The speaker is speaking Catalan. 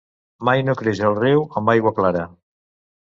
Mai no creix el riu amb aigua clara.